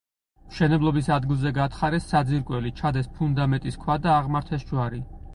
მშენებლობის ადგილზე გათხარეს საძირკველი, ჩადეს ფუნდამენტის ქვა და აღმართეს ჯვარი.